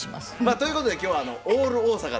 ということで今日はオール大阪で。